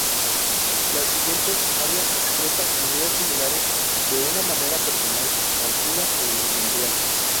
La siguiente aria expresa ideas similares de una manera personal, "tranquila e individual".